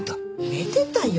寝てたよ。